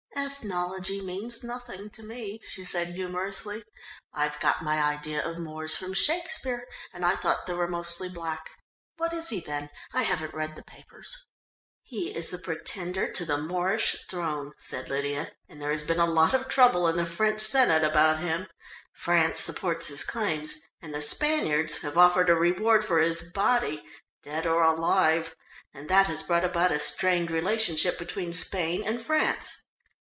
"Ethnology means nothing to me," she said humorously. "I've got my idea of Moors from Shakespeare, and I thought they were mostly black. What is he then? I haven't read the papers." "He is the Pretender to the Moorish throne," said Lydia, "and there has been a lot of trouble in the French Senate about him. France supports his claims, and the Spaniards have offered a reward for his body, dead or alive, and that has brought about a strained relationship between Spain and France."